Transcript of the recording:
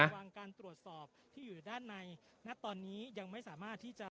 วางการตรวจสอบที่อยู่ด้านในณตอนนี้ยังไม่สามารถที่จะ